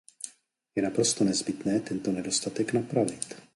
Je naprosto nezbytné tento nedostatek napravit.